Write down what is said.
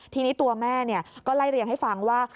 ทีนี้ตัวแม่ก็ไล่เรียงให้ฟังว่า